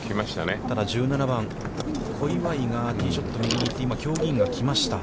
ただ１７番、小祝がティーショット右に行って、今、競技委員が来ました。